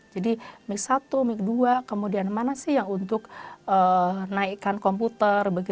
jadi mic satu mic dua kemudian mana sih yang untuk naikkan komputer